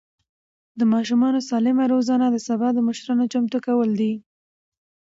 د ماشومانو سالم روزنه د سبا د مشرانو چمتو کول دي.